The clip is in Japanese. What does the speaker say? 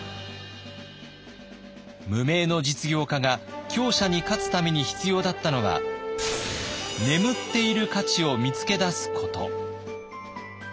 無名の実業家が強者に勝つために必要だったのは眠っている価値を見つけ出すこと。